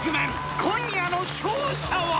［今夜の勝者は！？］